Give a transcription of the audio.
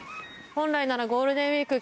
本来ならゴールデンウィーク